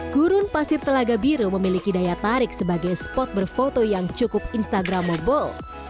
gurun pasir telaga biru memiliki daya tarik sebagai spot berfoto yang cukup instagramable